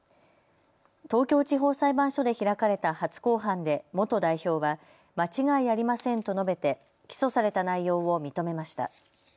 東京地方裁判所で開かれた初公判で元代表は間違いありませんと述べて起訴された内容を認めました。